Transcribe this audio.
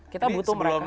kita butuh mereka